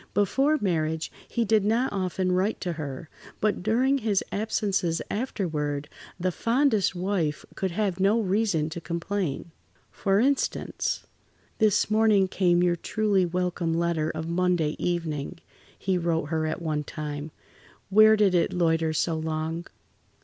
Before marriage he did not often write to her, but during his absences afterward, the fondest wife could have no reason to complain. For instance: "This morning came your truly welcome letter of Monday evening," he wrote her at one time. "Where did it loiter so long?